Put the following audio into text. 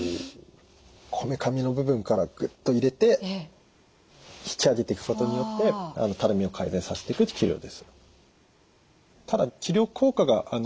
こめかみの部分からグッと入れて引き上げていくことによってたるみを改善させていく治療です。